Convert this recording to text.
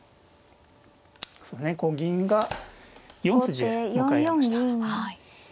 こう銀が４筋へ向かいました。